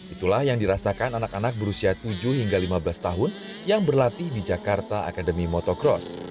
itulah yang dirasakan anak anak berusia tujuh hingga lima belas tahun yang berlatih di jakarta academy motocross